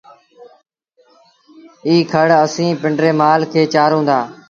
ايٚ کڙ اسيٚݩ پنڊري مآل کي چآرون دآ